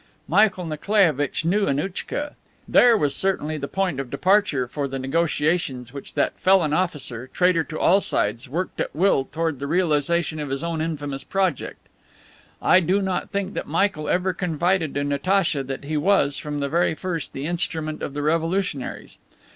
"Michael Nikolaievitch knew Annouchka. There was certainly the point of departure for the negotiations which that felon officer, traitor to all sides, worked at will toward the realization of his own infamous project. I do not think that Michael ever confided to Natacha that he was, from the very first, the instrument of the revolutionaries.